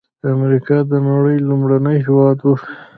امریکا د نړۍ لومړنی هېواد و.